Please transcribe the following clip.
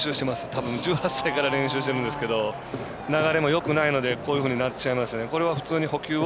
たぶん１８歳から練習してるんですけど流れもよくないのでこういうふうになっちゃいますね。